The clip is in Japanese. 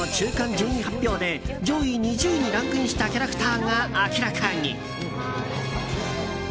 順位発表で上位２０位にランクインしたキャラクターが明らかに。